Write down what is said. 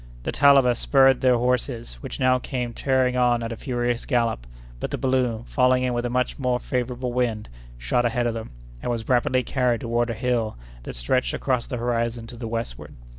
The Talabas spurred their horses, which now came tearing on at a furious gallop; but the balloon, falling in with a much more favorable wind, shot ahead of them, and was rapidly carried toward a hill that stretched across the horizon to the westward.